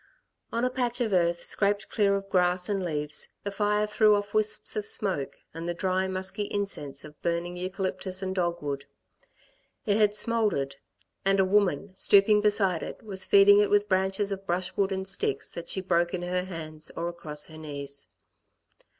On a patch of earth scraped clear of grass and leaves, the fire threw off wisps of smoke and the dry, musky incense of burning eucalyptus and dogwood. It had smouldered; and a woman, stooping beside it, was feeding it with branches of brushwood and sticks that she broke in her hands or across her knees.